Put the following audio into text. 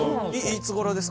いつごろですか？